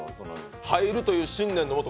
入るという信念のもと